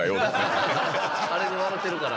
あれで笑うてるから。